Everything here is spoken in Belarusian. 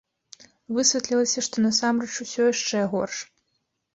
Высветлілася, што насамрэч усё яшчэ горш.